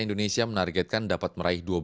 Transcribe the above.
indonesia menargetkan dapat meraih dua belas